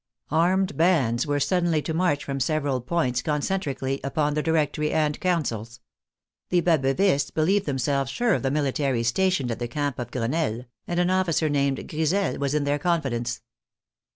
Armed bands were suddenly to march from several points concentrically upon the Directory and councils. The Baboeuvists be lieved themselves sure of the military stationed at the Camp of Crenelle, and an officer named Grisel was in their confidence.